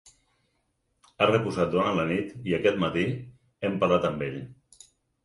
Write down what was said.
Ha reposat durant la nit i aquest matí hem parlat amb ell.